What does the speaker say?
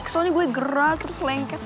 soalnya gue gerak terus lengket